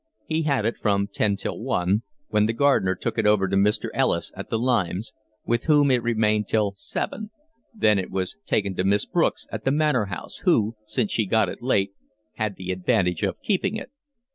He had it from ten till one, when the gardener took it over to Mr. Ellis at the Limes, with whom it remained till seven; then it was taken to Miss Brooks at the Manor House, who, since she got it late, had the advantage of keeping it.